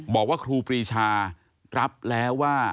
บอกว่าครูปรีชารับแล้วว่า